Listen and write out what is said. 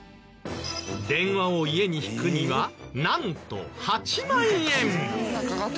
電話を家に引くにはなんと８万円！